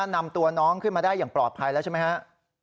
นำตัวน้องขึ้นมาได้อย่างปลอดภัยแล้วใช่ไหมฮะ